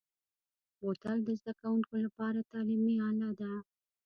بوتل د زده کوونکو لپاره تعلیمي اله ده.